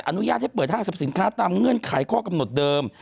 ขออนุญาตให้เปิด๕๐สินค้าตามเงื่อนไขข้อกำหนดเดิม